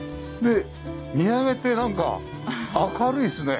見上げてなんか明るいですね。